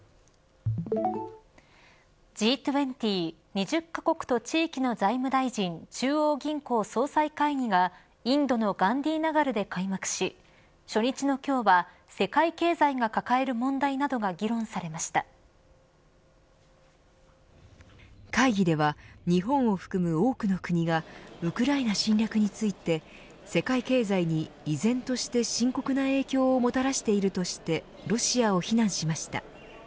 Ｇ２０、２０カ国と地域の財務大臣・中央銀行総裁会議がインドのガンディーナガルで開幕し初日の今日は世界経済が抱える問題などが会議では日本を含む多くの国がウクライナ侵略について世界経済に依然として深刻な影響をもたらしているとしてロシアを非難しました。